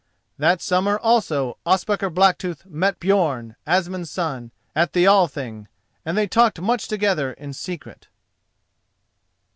That summer also Ospakar Blacktooth met Björn, Asmund's son, at the Thing, and they talked much together in secret.